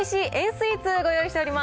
スイーツをご用意しております。